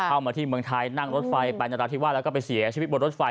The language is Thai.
เข้ามาที่เมืองไทยนั่งรถไฟไปนราธิวาสแล้วก็ไปเสียชีวิตบนรถไฟ